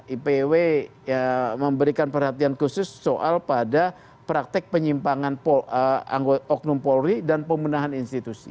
ipw memberikan perhatian khusus soal pada praktek penyimpangan anggota oknum polri dan pemenahan institusi